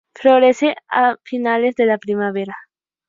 Florece a finales de la primavera.